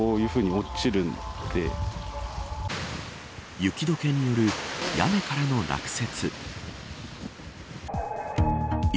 雪解けによる屋根からの落雪。